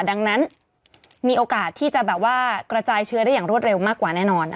ดังนั้นมีโอกาสที่จะแบบว่ากระจายเชื้อได้อย่างรวดเร็วมากกว่าแน่นอน